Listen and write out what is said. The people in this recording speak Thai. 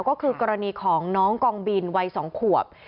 ก็คือกรณีของน้องกองบินวัย๒ขวบ